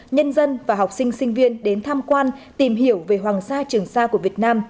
nhân dân và học sinh sinh viên đến tham quan tìm hiểu về hoàng sa trường sa của việt nam